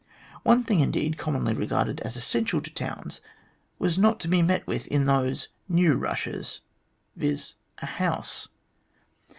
One thing, indeed, commonly regarded as essential to towns, was not to be met with in those " new rushes," viz., a house.